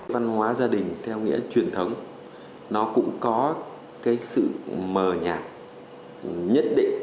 văn hóa gia đình theo nghĩa truyền thống nó cũng có cái sự mờ nhạt nhất định